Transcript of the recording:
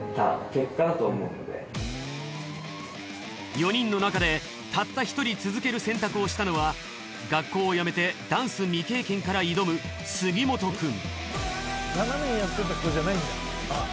４人の中でたった一人続ける選択をしたのは学校を辞めてダンス未経験から挑む杉本くん。